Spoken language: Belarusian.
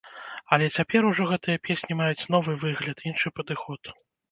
Але цяпер ужо гэтыя песні маюць новы выгляд, іншы падыход.